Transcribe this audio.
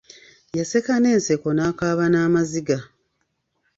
Yaseka n'enseko n'akaaba n'amaziga.